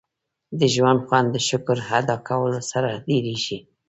• د ژوند خوند د شکر ادا کولو سره ډېرېږي.